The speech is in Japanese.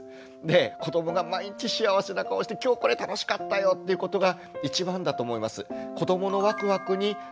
で子どもが毎日幸せな顔して今日これ楽しかったよっていうことが一番だと思います。